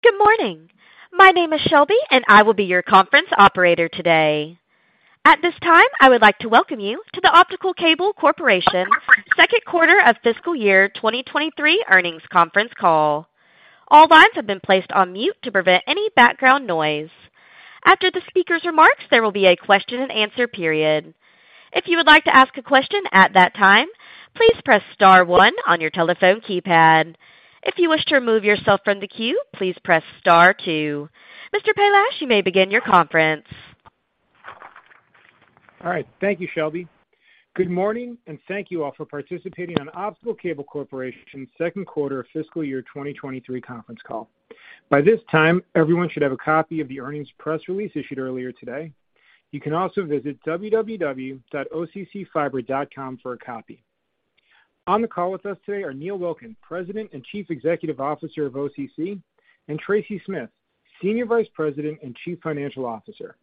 Good morning. My name is Shelby, and I will be your conference operator today. At this time, I would like to welcome you to the Optical Cable Corporation Second Quarter of Fiscal Year 2023 Earnings Conference Call. All lines have been placed on mute to prevent any background noise. After the speaker's remarks, there will be a question-and-answer period. If you would like to ask a question at that time, please press star one on your telephone keypad. If you wish to remove yourself from the queue, please press star two. Mr. Aaron Palash, you may begin your conference. All right. Thank you, Shelby. Good morning. Thank you all for participating on Optical Cable Corporation's Second Quarter of Fiscal Year 2023 Conference Call. By this time, everyone should have a copy of the earnings press release issued earlier today. You can also visit www.occfiber.com for a copy. On the call with us today are Neil Wilkin, President and Chief Executive Officer of OCC, and Tracy Smith, Senior Vice President and Chief Financial Officer.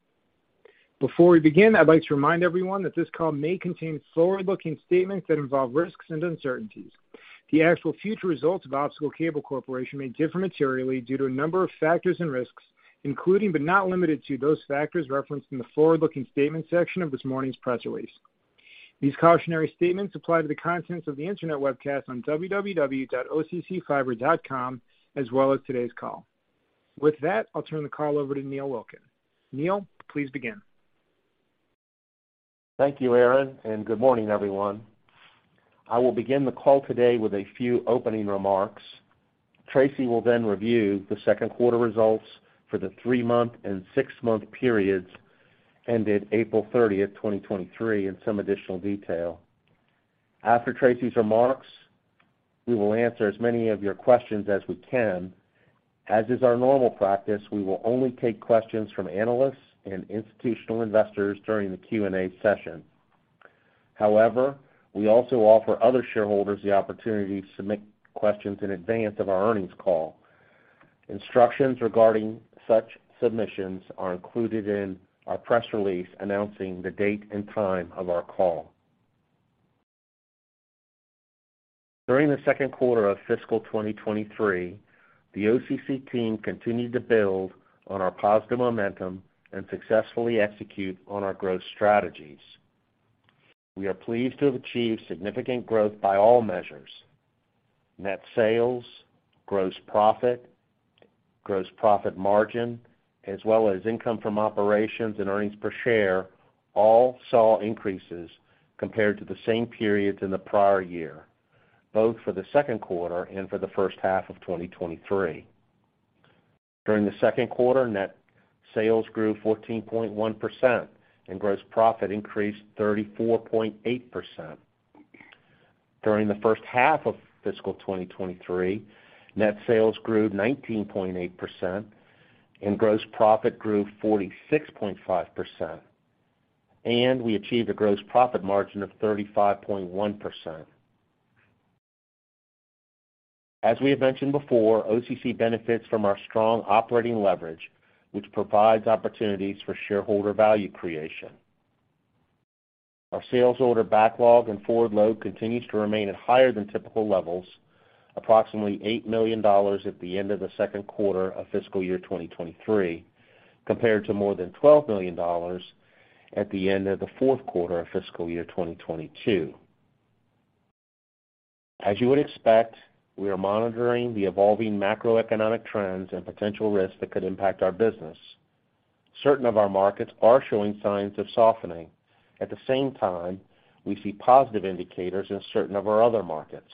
Before we begin, I'd like to remind everyone that this call may contain forward-looking statements that involve risks and uncertainties. The actual future results of Optical Cable Corporation may differ materially due to a number of factors and risks, including, but not limited to, those factors referenced in the forward-looking statement section of this morning's press release. These cautionary statements apply to the contents of the internet webcast on www.occfiber.com, as well as today's call. With that, I'll turn the call over to Neil Wilkin. Neil, please begin. Thank you, Aaron. Good morning, everyone. I will begin the call today with a few opening remarks. Tracy will then review the second quarter results for the 3 month and 6 month periods ended April 30, 2023, in some additional detail. After Tracy's remarks, we will answer as many of your questions as we can. As is our normal practice, we will only take questions from analysts and institutional investors during the Q&A session. However, we also offer other shareholders the opportunity to submit questions in advance of our earnings call. Instructions regarding such submissions are included in our press release, announcing the date and time of our call. During the second quarter of fiscal 2023, the OCC team continued to build on our positive momentum and successfully execute on our growth strategies. We are pleased to have achieved significant growth by all measures. Net sales, gross profit, gross profit margin, as well as income from operations and earnings per share, all saw increases compared to the same periods in the prior year, both for the second quarter and for the first half of 2023. During the second quarter, net sales grew 14.1%, and gross profit increased 34.8%. During the first half of fiscal 2023, net sales grew 19.8%, and gross profit grew 46.5%, and we achieved a gross profit margin of 35.1%. As we have mentioned before, OCC benefits from our strong operating leverage, which provides opportunities for shareholder value creation. Our sales order backlog and forward load continues to remain at higher than typical levels, approximately $8 million at the end of the second quarter of fiscal year 2023, compared to more than $12 million at the end of the fourth quarter of fiscal year 2022. As you would expect, we are monitoring the evolving macroeconomic trends and potential risks that could impact our business. Certain of our markets are showing signs of softening. At the same time, we see positive indicators in certain of our other markets.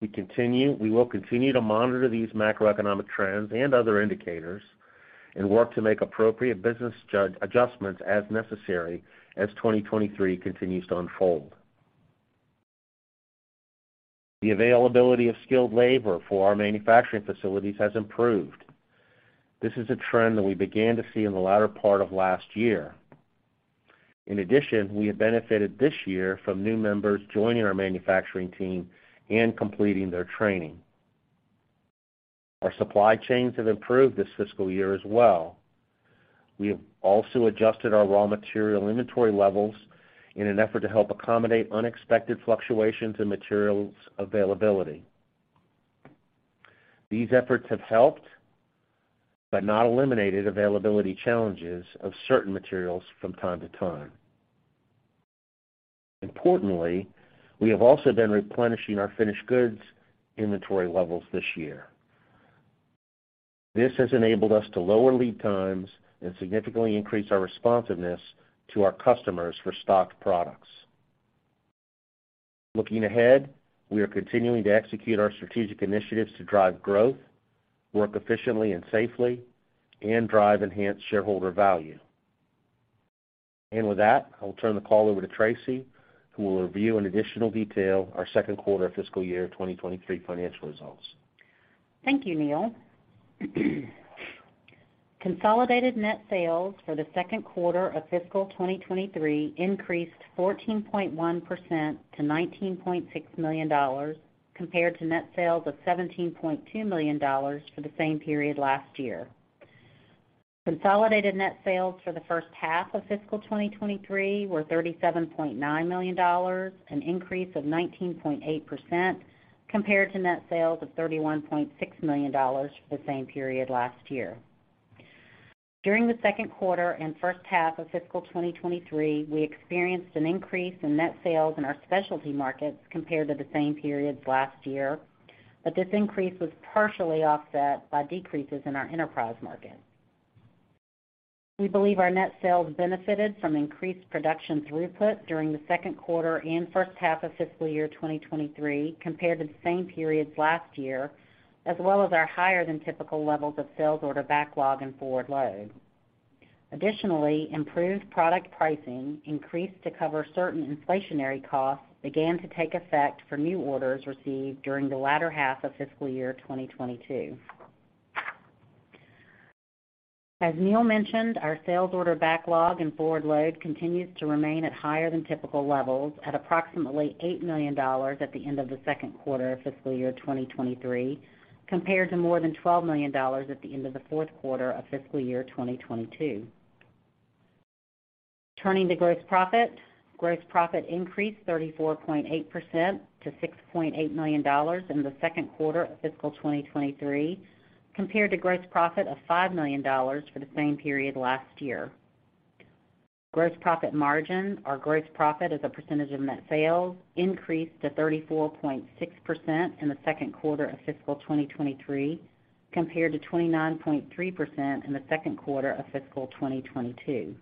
We will continue to monitor these macroeconomic trends and other indicators and work to make appropriate business judge adjustments as necessary as 2023 continues to unfold. The availability of skilled labor for our manufacturing facilities has improved. This is a trend that we began to see in the latter part of last year. In addition, we have benefited this year from new members joining our manufacturing team and completing their training. Our supply chains have improved this fiscal year as well. We have also adjusted our raw material inventory levels in an effort to help accommodate unexpected fluctuations in materials availability. These efforts have helped, but not eliminated, availability challenges of certain materials from time to time. Importantly, we have also been replenishing our finished goods inventory levels this year. This has enabled us to lower lead times and significantly increase our responsiveness to our customers for stocked products. Looking ahead, we are continuing to execute our strategic initiatives to drive growth, work efficiently and safely, and drive enhanced shareholder value. With that, I will turn the call over to Tracy, who will review in additional detail our second quarter fiscal year 2023 financial results. Thank you, Neil. Consolidated net sales for the second quarter of fiscal 2023 increased 14.1% to $19.6 million, compared to net sales of $17.2 million for the same period last year. Consolidated net sales for the first half of fiscal 2023 were $37.9 million, an increase of 19.8% compared to net sales of $31.6 million for the same period last year. During the second quarter and first half of fiscal 2023, we experienced an increase in net sales in our specialty markets compared to the same period last year, this increase was partially offset by decreases in our enterprise market. We believe our net sales benefited from increased production throughput during the second quarter and first half of fiscal year 2023 compared to the same periods last year, as well as our higher than typical levels of sales order backlog and forward load. Additionally, improved product pricing increased to cover certain inflationary costs began to take effect for new orders received during the latter half of fiscal year 2022. As Neil mentioned, our sales order backlog and forward load continues to remain at higher than typical levels, at approximately $8 million at the end of the second quarter of fiscal year 2023, compared to more than $12 million at the end of the fourth quarter of fiscal year 2022. Turning to gross profit. Gross profit increased 34.8% to $6.8 million in the second quarter of fiscal 2023, compared to gross profit of $5 million for the same period last year. Gross profit margin, our gross profit as a percentage of net sales, increased to 34.6% in the second quarter of fiscal 2023, compared to 29.3% in the second quarter of fiscal 2022.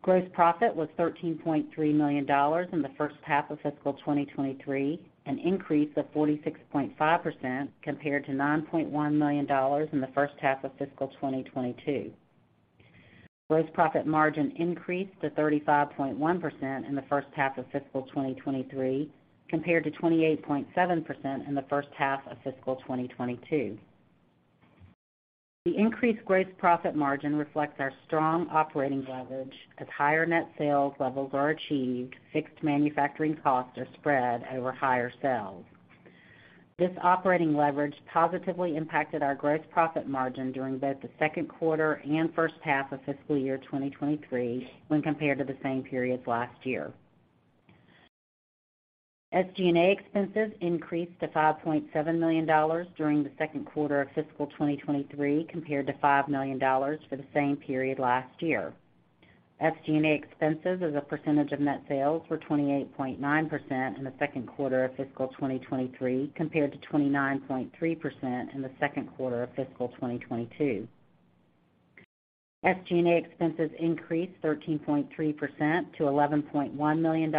Gross profit was $13.3 million in the first half of fiscal 2023, an increase of 46.5% compared to $9.1 million in the first half of fiscal 2022. Gross profit margin increased to 35.1% in the first half of fiscal 2023, compared to 28.7% in the first half of fiscal 2022. The increased gross profit margin reflects our strong operating leverage. As higher net sales levels are achieved, fixed manufacturing costs are spread over higher sales. This operating leverage positively impacted our gross profit margin during both the second quarter and first half of fiscal year 2023, when compared to the same periods last year. SG&A expenses increased to $5.7 million during the second quarter of fiscal 2023, compared to $5 million for the same period last year. SG&A expenses as a percentage of net sales were 28.9% in the second quarter of fiscal 2023, compared to 29.3% in the second quarter of fiscal 2022. SG&A expenses increased 13.3% to $11.1 million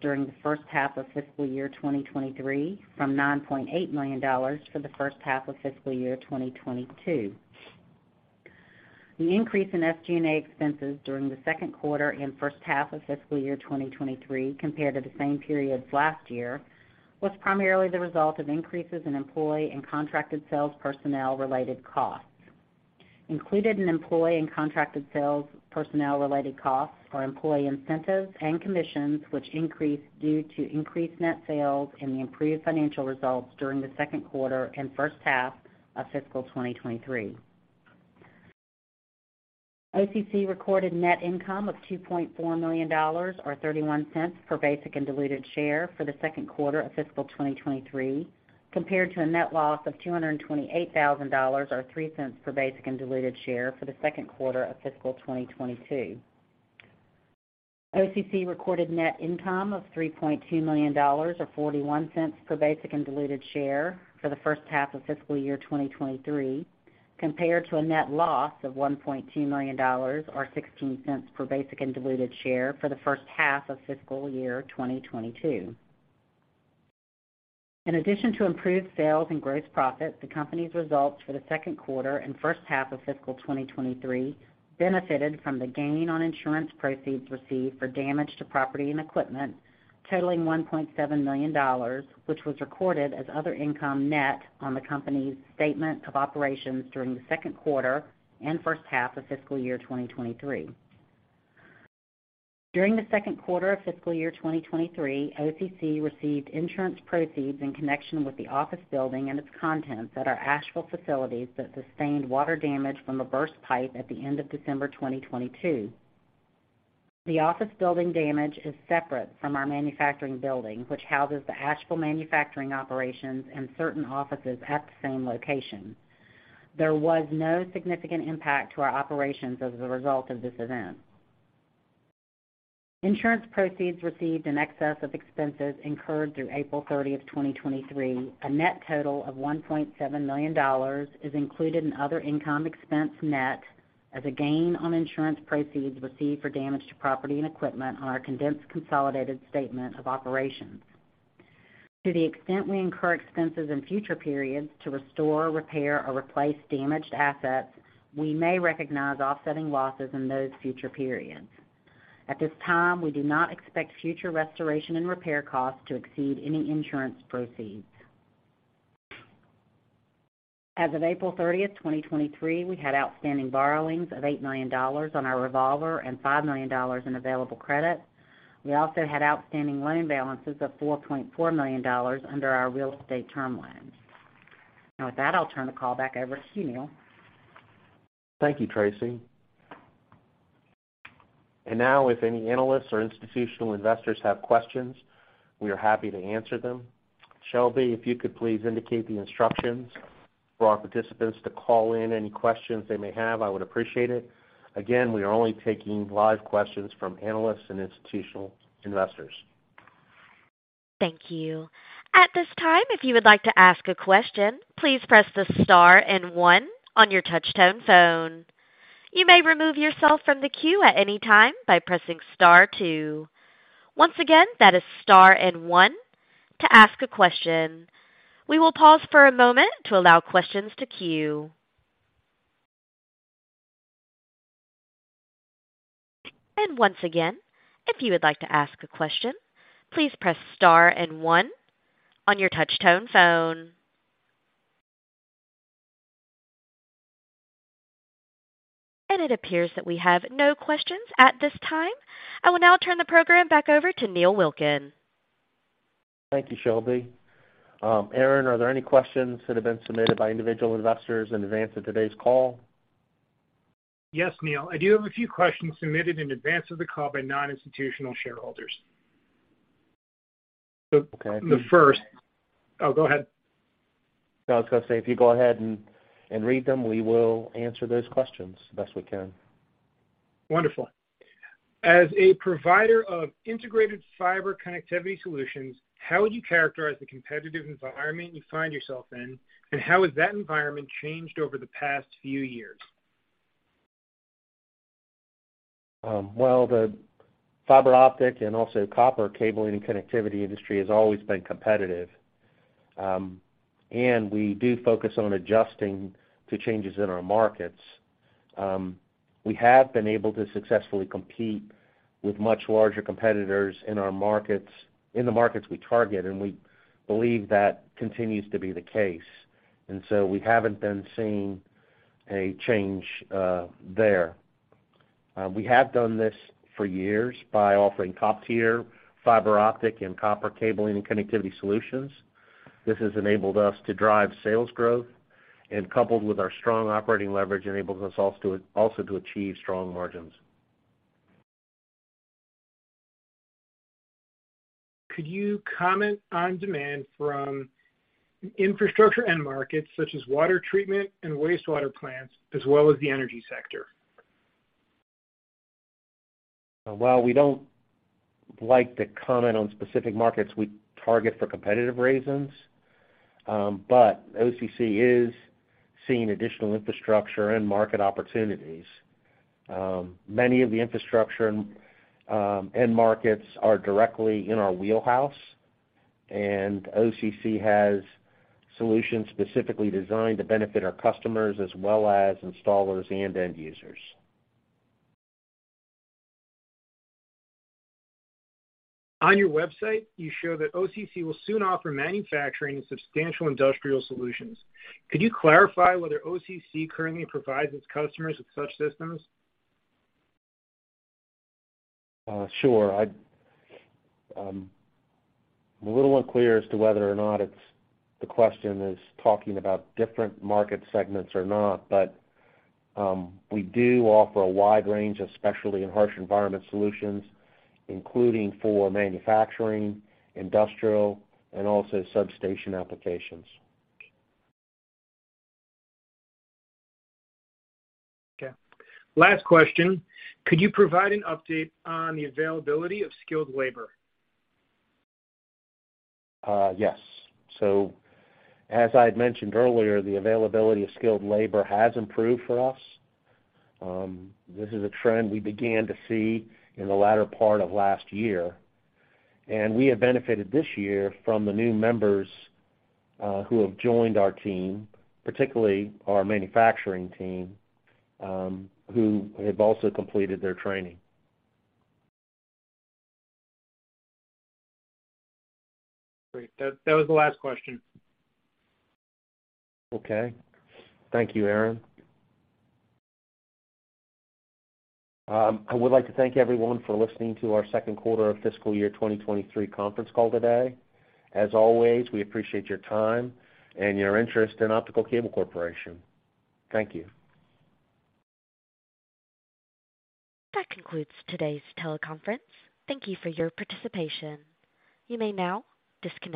during the first half of fiscal year 2023, from $9.8 million for the first half of fiscal year 2022. The increase in SG&A expenses during the second quarter and first half of fiscal year 2023 compared to the same periods last year, was primarily the result of increases in employee and contracted sales personnel related costs. Included in employee and contracted sales personnel related costs are employee incentives and commissions, which increased due to increased net sales and the improved financial results during the second quarter and first half of fiscal 2023. OCC recorded net income of $2.4 million, or $0.31 per basic and diluted share for the second quarter of fiscal 2023, compared to a net loss of $228,000, or $0.03 per basic and diluted share for the second quarter of fiscal 2022. OCC recorded net income of $3.2 million, or $0.41 per basic and diluted share for the first half of fiscal year 2023, compared to a net loss of $1.2 million, or $0.16 per basic and diluted share for the first half of fiscal year 2022. In addition to improved sales and gross profits, the company's results for the second quarter and first half of fiscal 2023 benefited from the gain on insurance proceeds received for damage to property and equipment, totaling $1.7 million, which was recorded as other income net on the company's statement of operations during the second quarter and first half of fiscal year 2023. During the second quarter of fiscal year 2023, OCC received insurance proceeds in connection with the office building and its contents at our Asheville facilities that sustained water damage from a burst pipe at the end of December 2022. The office building damage is separate from our manufacturing building, which houses the Asheville manufacturing operations and certain offices at the same location. There was no significant impact to our operations as a result of this event. Insurance proceeds received in excess of expenses incurred through April 30, 2023. A net total of $1.7 million is included in other income expense net as a gain on insurance proceeds received for damage to property and equipment on our condensed consolidated statement of operations. To the extent we incur expenses in future periods to restore, repair, or replace damaged assets, we may recognize offsetting losses in those future periods. At this time, we do not expect future restoration and repair costs to exceed any insurance proceeds. As of April 30, 2023, we had outstanding borrowings of $8 million on our revolver and $5 million in available credit. We also had outstanding loan balances of $4.4 million under our real estate term loans. With that, I'll turn the call back over to you, Neil. Thank you, Tracy. Now, if any analysts or institutional investors have questions, we are happy to answer them. Shelby, if you could please indicate the instructions for our participants to call in any questions they may have, I would appreciate it. Again, we are only taking live questions from analysts and institutional investors. Thank you. At this time, if you would like to ask a question, please press star one on your touch-tone phone. You may remove yourself from the queue at any time by pressing star two. Once again, that is star one to ask a question. We will pause for a moment to allow questions to queue. Once again, if you would like to ask a question, please press star one on your touch-tone phone. It appears that we have no questions at this time. I will now turn the program back over to Neil Wilkin. Thank you, Shelby. Aaron, are there any questions that have been submitted by individual investors in advance of today's call? Yes, Neil, I do have a few questions submitted in advance of the call by non-institutional shareholders. Okay. Oh, go ahead. I was going to say, if you go ahead and read them, we will answer those questions the best we can. Wonderful. As a provider of integrated fiber connectivity solutions, how would you characterize the competitive environment you find yourself in, and how has that environment changed over the past few years? Well, the fiber optic and also copper cabling and connectivity industry has always been competitive, and we do focus on adjusting to changes in our markets. We have been able to successfully compete with much larger competitors in our markets, in the markets we target, and we believe that continues to be the case, and so we haven't been seeing a change there. We have done this for years by offering top-tier fiber optic and copper cabling and connectivity solutions. This has enabled us to drive sales growth and, coupled with our strong operating leverage, enables us also to achieve strong margins. Could you comment on demand from infrastructure and markets such as water treatment and wastewater plants, as well as the energy sector? We don't like to comment on specific markets we target for competitive reasons, but OCC is seeing additional infrastructure and market opportunities. Many of the infrastructure and markets are directly in our wheelhouse, and OCC has solutions specifically designed to benefit our customers as well as installers and end users. On your website, you show that OCC will soon offer manufacturing and substantial industrial solutions. Could you clarify whether OCC currently provides its customers with such systems? Sure. I'm a little unclear as to whether or not it's, the question is talking about different market segments or not, but we do offer a wide range of specialty and harsh environment solutions, including for manufacturing, industrial, and also substation applications. Okay, last question: Could you provide an update on the availability of skilled labor? Yes. As I had mentioned earlier, the availability of skilled labor has improved for us. This is a trend we began to see in the latter part of last year, and we have benefited this year from the new members who have joined our team, particularly our manufacturing team, who have also completed their training. Great. That was the last question. Okay. Thank you, Aaron. I would like to thank everyone for listening to our second quarter of fiscal year 2023 conference call today. As always, we appreciate your time and your interest in Optical Cable Corporation. Thank you. That concludes today's teleconference. Thank you for your participation. You may now disconnect.